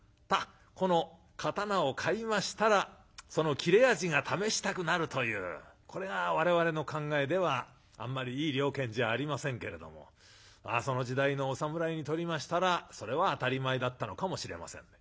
この刀を買いましたらその切れ味が試したくなるというこれが我々の考えではあんまりいい了見じゃありませんけれどもその時代のお侍にとりましたらそれは当たり前だったのかもしれませんね。